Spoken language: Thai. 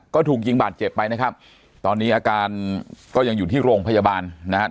ก็ถูกยิงบาดเจ็บไปนะครับตอนนี้อาการก็ยังอยู่ที่โรงพยาบาลนะครับ